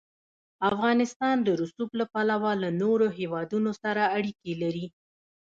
افغانستان د رسوب له پلوه له نورو هېوادونو سره اړیکې لري.